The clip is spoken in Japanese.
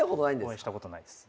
お会いしたことないです。